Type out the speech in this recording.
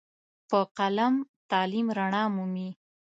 په قلم تعلیم رڼا مومي.